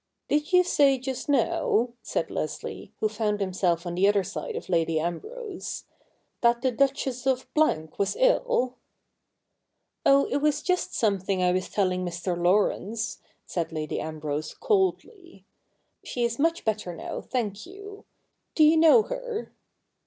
' Did you say just now,' said Leslie, who found him self on the other side of Lady Ambrose, 'that the Duchess of was ill ?'' Oh, it was just something I was telling Mr. Laurence,' said Lady Ambrose coldly. 'She is much better now, thank you. Do you know her